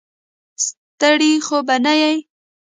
ستړی خو به نه یې.